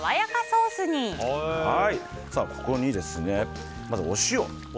ここに、まずお塩。